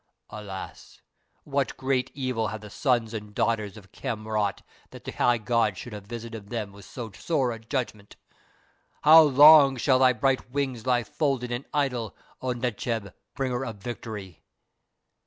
Alas, what great evil have the sons and daughters of Khem wrought that the High Gods should have visited them with so sore a judgment! How long shall thy bright wings lie folded and idle, O Necheb, Bringer of Victory?"